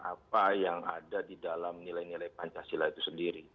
apa yang ada di dalam nilai nilai pancasila itu sendiri